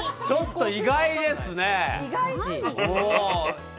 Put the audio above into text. ちょっと意外ですね。